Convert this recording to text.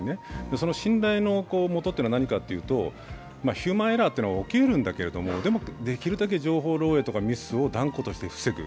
その信頼のもとというのは何かというと、ヒューマンエラーっていうのは起きうるんだけれどもでもできるだけ情報漏えいとかミスを断固として防ぐ。